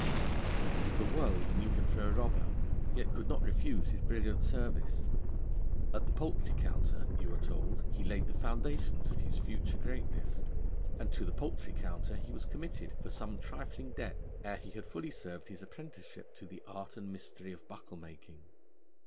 The world knew him for a robber, yet could not refuse his brilliant service. At the Poultry Counter, you are told, he laid the foundations of his future greatness, and to the Poultry Counter he was committed for some trifling debt ere he had fully served his apprenticeship to the art and mystery of buckle making.